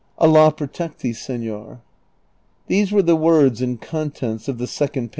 Allah protect thee, seiior." These were the words and contents of the second i?